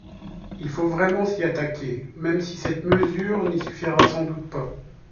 Il faut vraiment s’y attaquer, même si cette mesure n’y suffira sans doute pas.